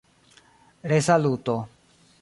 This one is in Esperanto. resaluto